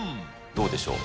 どうでしょう。